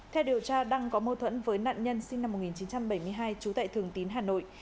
theo điều tra đăng có mâu thuẫn với nạn nhân sinh năm một nghìn chín trăm bảy mươi hai trú tại thường tín hà nội